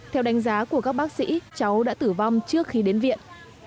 theo đánh giá của các bác sĩ cháu đã tử vong trước khi đến viện